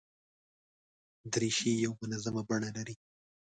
دریشي یو منظمه بڼه لري.